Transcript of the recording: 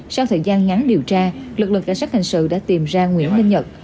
sau thời gian ngắn điều tra lực lượng cảnh sát hành sự đã tìm ra nguyễn linh nhật